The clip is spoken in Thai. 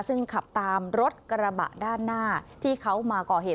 ซึ่งขับตามรถกระบะด้านหน้าที่เขามาก่อเหตุ